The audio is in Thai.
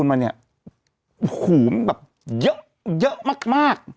แต่หูมันแบบเยอะมาก